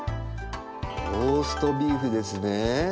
ローストビーフですね。